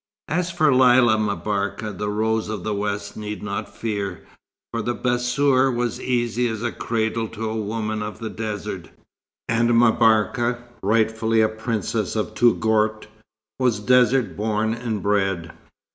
As for Lella M'Barka, the Rose of the West need not fear, for the bassour was easy as a cradle to a woman of the desert; and M'Barka, rightfully a princess of Touggourt, was desert born and bred.